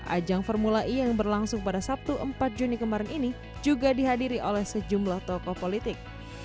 ajang formula e yang berlangsung pada sabtu empat juni kemarin ini juga dihadiri oleh sejumlah tokoh politik